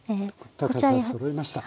高さそろいました。